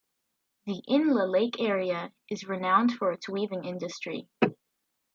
The Inle lake area is renowned for its weaving industry.